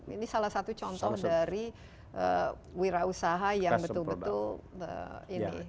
ini salah satu contoh dari wira usaha yang betul betul ini